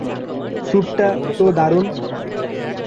স্যুটটা তো দারুণ।